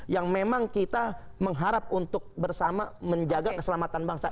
yang memang kita mengharap untuk bersama menjaga keselamatan bangsa